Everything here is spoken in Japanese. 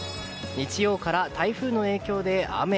日曜から台風の影響で雨。